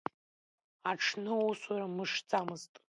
Аҽны усура мшӡамызт.